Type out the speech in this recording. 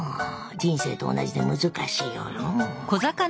人生と同じで難しいよのう。